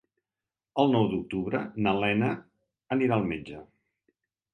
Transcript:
El nou d'octubre na Lena anirà al metge.